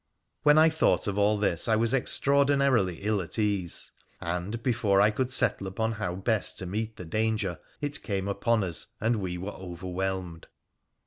When I thought of all this I was extraordinarily ill at ease, and, before I could settle upon how best to meet the danger, it came upon us, and we were overwhelmed.